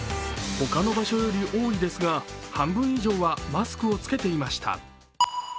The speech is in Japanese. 他の場所より多いですが半分以上はマスクを着けていました。